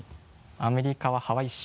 アメリカはハワイ州。